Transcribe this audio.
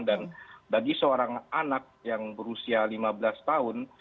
dan bagi seorang anak yang berusia lima belas tahun